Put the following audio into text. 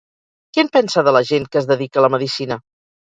Què en pensa de la gent que es dedica a la medicina?